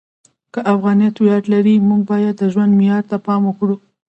که افغانیت ویاړ لري، موږ باید د ژوند معیار ته پام وکړو.